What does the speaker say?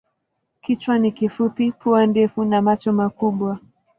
Kichwa ni kifupi, pua ndefu na macho makubwa.